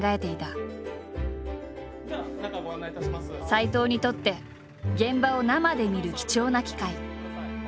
斎藤にとって現場を生で見る貴重な機会。